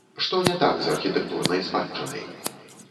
Што не так з архітэктурнай спадчынай?